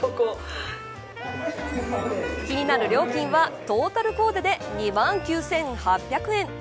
気になる料金はトータルコーデで２万９８００円。